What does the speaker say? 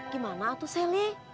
gimana atuh selly